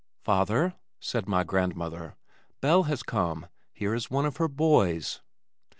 "Father," said my grandmother, "Belle has come. Here is one of her boys."